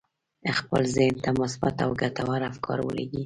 خپل ذهن ته مثبت او ګټور افکار ولېږئ